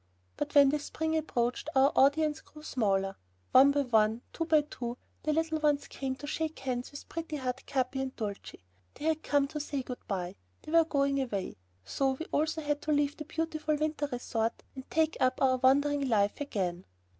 But when the spring approached our audience grew smaller. One by one, two by two, the little ones came to shake hands with Pretty Heart, Capi, and Dulcie. They had come to say good by. They were going away. So we also had to leave the beautiful winter resort and take up our wandering life again.